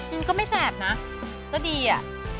มันก็ไม่แสบนะก็ดีอะ